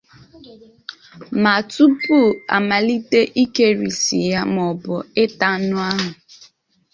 Mana tupu a malite ikerisi ya maọbụ ịta anụ ahụ